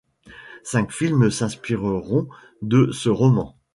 Cinq films s'inspireront de ce roman.